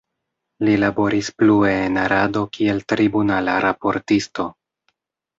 Li laboris plue en Arado kiel tribunala raportisto.